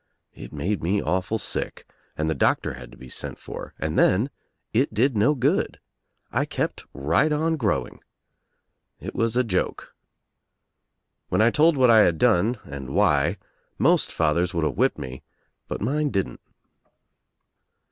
It made me awful sick and the doctor had to be sent for, and then it did no good. I kept right on growing. It was a joke. When I told what I had done and why most fathers would have whipped me but mine didn't.